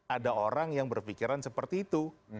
ada orang yang berpikiran seperti itu